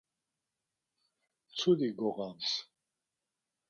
Mtsudi goğams.